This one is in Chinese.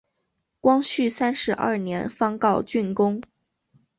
光绪三十二年方告竣工。